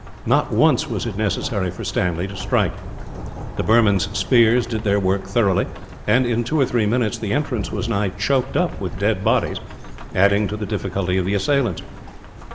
Not once was it necessary for Stanley to strike. The Burmans' spears did their work thoroughly and, in two or three minutes, the entrance was nigh choked up with dead bodies, adding to the difficulty of the assailants.